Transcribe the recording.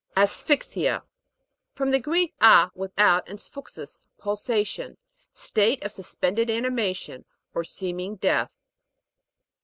ASPHYX'IA. From the Greek, a, with out, and sphuxis, pulsation. State of suspended animation, or seem ing death.